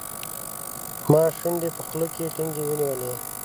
ما شونډې په خوله کې ټینګې ونیولې.